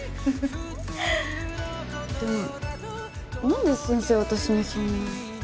でも何で先生私にそんな？